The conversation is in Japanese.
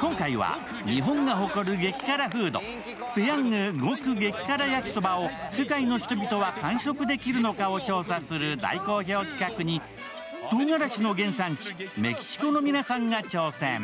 今回は、日本が誇る激辛フード、ペヤング獄激辛やきそばを世界の人々は完食できるのかを調査する大好評企画に、とうがらしの原産地、メキシコの皆さんが挑戦。